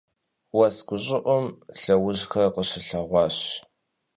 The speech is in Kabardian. Уэс гущӀыӀум лъэужьхэр къыщыслъэгъуащ.